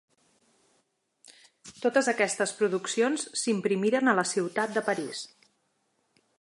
Totes aquestes produccions s'imprimiren a la ciutat de París.